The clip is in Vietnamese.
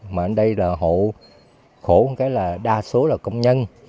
mà ở đây là hộ khổ một cái là đa số là công nhân